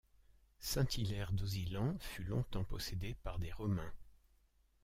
Saint-Hilaire-d'Ozilhan fut longtemps possédée par des Romains.